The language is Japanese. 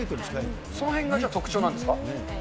そのへんがじゃあ、特徴なんですはい。